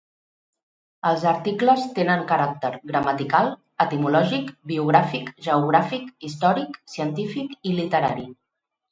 Els articles tenen caràcter gramatical, etimològic, biogràfic, geogràfic, històric, científic i literari.